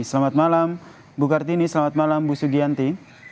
selamat malam ibu kartini selamat malam ibu sugiyanti